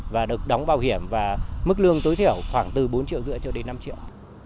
và được đóng bảo hiểm và mức lương tối thiểu khoảng từ bốn triệu rưỡi cho đến năm triệu